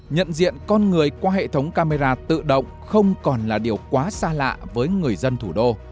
nhận diện con người qua hệ thống camera tự động không còn là điều quá xa lạ với người dân thủ đô